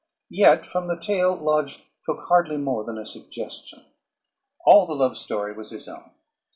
Yet from the "Tale" Lodge took hardly more than a suggestion. All the love story was his own.